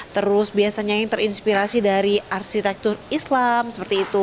terus biasanya yang terinspirasi dari arsitektur islam seperti itu